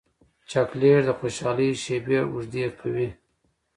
چاکلېټ د خوشحالۍ شېبې اوږدې کوي.